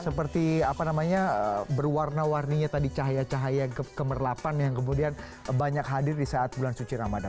seperti apa namanya berwarna warninya tadi cahaya cahaya kemerlapan yang kemudian banyak hadir di saat bulan suci ramadan